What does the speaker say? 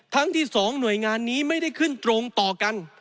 ทั้งที่๒หน่วยงานนี้ไม่ได้ขึ้นตรงต่อกัน